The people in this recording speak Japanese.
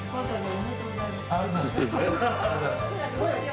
ありがとうございます。